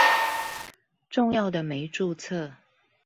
重要的沒註冊